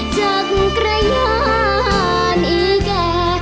จักรยานอีแก่